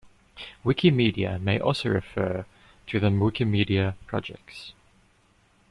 "Wikimedia" may also refer to the Wikimedia projects.